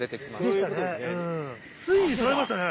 ついに捉えましたね。